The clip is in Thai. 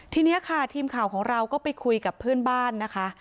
ทีนี้ค่ะทีมข่าวของเราก็ไปคุยกับเพื่อนบ้านนะคะ